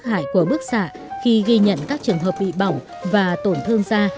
người mới nhận ra tác hại của bước xạ khi ghi nhận các trường hợp bị bỏng và tổn thương ra